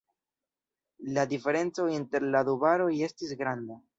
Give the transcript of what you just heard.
La diferenco inter la du varoj estis granda.